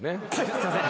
すいません。